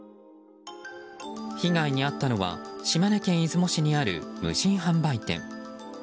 被害に遭ったのは島根県出雲市にある無人販売店。